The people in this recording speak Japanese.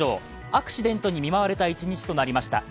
アクシデントに見舞われた一日となりました。